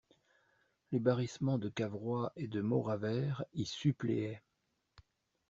Les barrissements de Cavrois et de Mauravert y suppléaient.